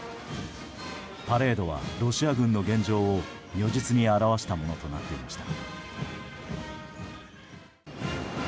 パレードはロシア軍の現状を如実に表したものとなりました。